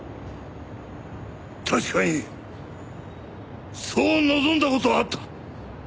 確かにそう望んだ事はあった。